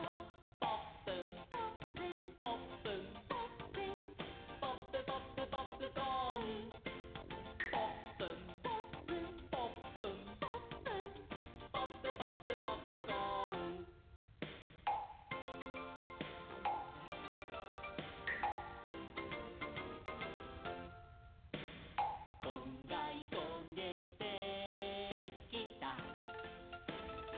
「ポップン」「ポップン」「ポップン」「ポップン」「ポップポップポップコーン」「ポップン」「ポップン」「ポップン」「ポップン」「ポップポップポップコーン」「こんがりこげてきた」